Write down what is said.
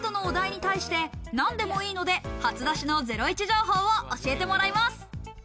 カードのお題に対してなんでもいいので初出しのゼロイチ情報を教えてもらいます。